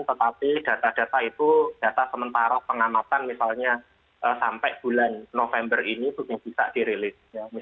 tetapi data data itu data sementara pengamatan misalnya sampai bulan november ini sudah bisa dirilis